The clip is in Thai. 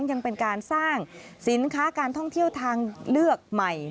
ยังเป็นการสร้างสินค้าการท่องเที่ยวทางเลือกใหม่